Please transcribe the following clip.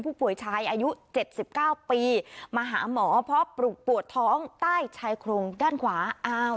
ผู้ป่วยชายอายุเจ็ดสิบเก้าปีมหาหมอเพราะปลุกปวดท้องใต้ชายโครงด้านขวาน่า